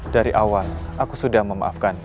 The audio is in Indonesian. dari awal aku sudah memaafkan